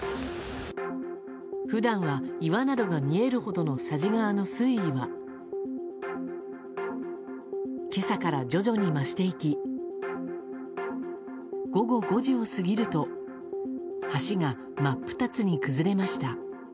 普段は岩などが見えるほどの佐治川の水位は今朝から徐々に増していき午後５時を過ぎると橋が真っ二つに崩れました。